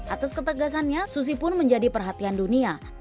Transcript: atas ketegasannya susi pun menjadi perhatian dunia